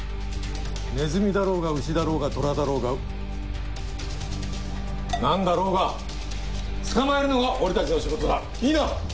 ネズミだろうがウシだろうがトラだろうが何だろうが捕まえるのが俺達の仕事だいいな！